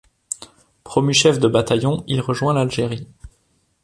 Promu chef de bataillon il rejoint l'Algérie.